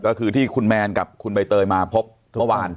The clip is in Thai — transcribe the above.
ก็คือที่คุณแมนกับคุณใบเตยมาพบเมื่อวาน